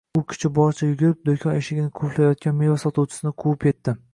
U kuchi boricha yugurib, do`kon eshigini qulflayotgan meva sotuvchisini quvib etdi